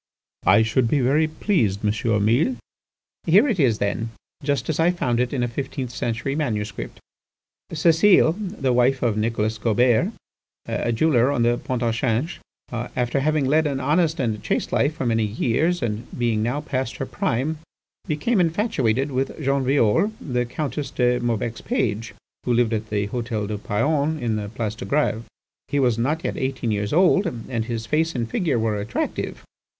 "I should be very pleased, M. Mille." "Here it is, then, just as I found it in a fifteenth century manuscript "Cécile, the wife of Nicolas Gaubert, a jeweller on the Pont au Change, after having led an honest and chaste life for many years, and being now past her prime, became infatuated with Jean Violle, the Countess de Maubec's page, who lived at the Hôtel du Paon on the Place de Grève. He was not yet eighteen years old, and his face and figure were attractive.